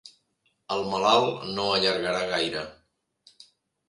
El malalt no allargarà gaire.